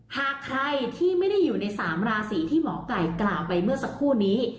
หากใครที่ไม่ได้อยู่ใน๓ราศีที่หมอไก่กล่าวไปเมื่อสักครู่นี้